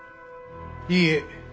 いいえ。